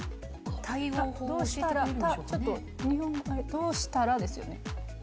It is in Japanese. どうしたらですよね。